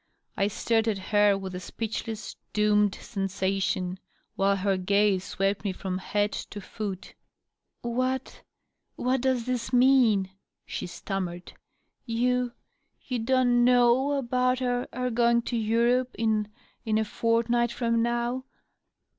I stared at her with a speechless^ doomed sensation while her gaze swept me from head to foot. "What — ^what does this mean?" she stammered. "You — ^you don't hww about our — our going to Europe in — in a fortnight from now.